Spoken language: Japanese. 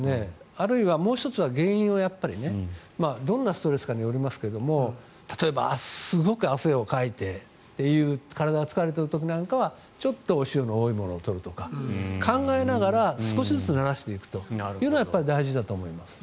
あるいは、もう１つは原因はどんなストレスかによりますけど例えば、すごく汗をかいてという体が疲れている時なんかはちょっとお塩の多いものを取るとか、考えながら少しずつ慣らしていくというのが大事だと思います。